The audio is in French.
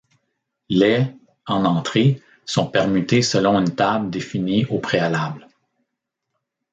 Les en entrée sont permutés selon une table définie au préalable.